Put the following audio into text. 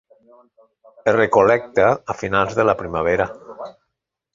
Es recol·lecta a finals de la primavera.